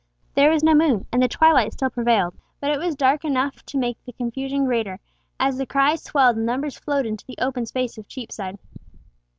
There was no moon, and the twilight still prevailed, but it was dark enough to make the confusion greater, as the cries swelled and numbers flowed into the open space of Cheapside.